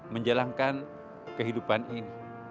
menjalankan kehidupan ini